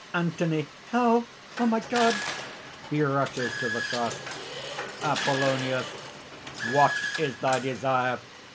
ANTHONY. "Help! O my God!" (He rushes to the cross.) APOLLONIUS. "What is thy desire?